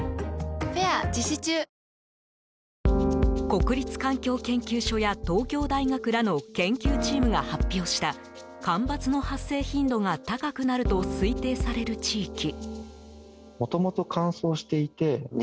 国立環境研究所や東京大学らの研究チームが発表した干ばつの発生頻度が高くなると推定される地域。